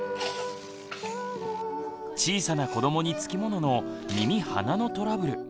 小さな子どもにつきものの耳・鼻のトラブル。